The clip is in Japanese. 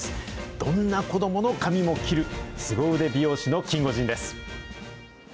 どんな子どもの髪も切る、すご腕美容師のキンゴジンです。